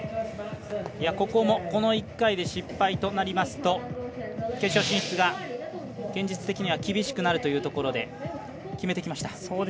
この１回で失敗となりますと決勝進出が現実的には厳しくなるというところで決めてきました。